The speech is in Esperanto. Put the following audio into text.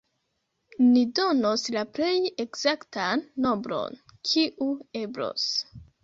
Ni donos la plej ekzaktan nombron, kiu eblos.